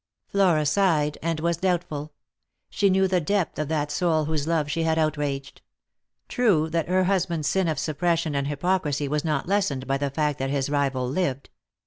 Flora sighed, and was doubtful. She knew the depth of that soul whose love she had outraged. True that her husband's sin of suppression and hypocrisy was not lessened by the fact that his rival lived.